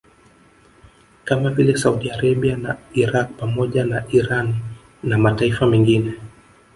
Kama vile Saudi Arabia na Iraq pamoja na Irani na mataifa mengine